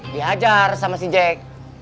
dihajar sama si jack